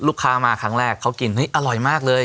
ลูกค้ามาครั้งแรกเขากินเฮ้ยอร่อยมากเลย